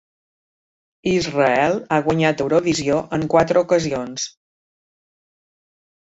Israel ha guanyat Eurovisió en quatre ocasions.